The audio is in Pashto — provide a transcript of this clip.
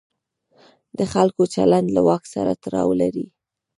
د خلکو چلند له واک سره تړاو لري.